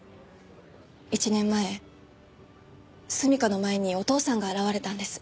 １年前純夏の前にお父さんが現れたんです。